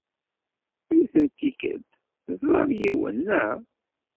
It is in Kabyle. Yiwet n tikkelt, teẓram yiwen, naɣ?